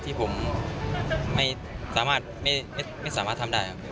ที่ผมไม่สามารถทำได้ครับ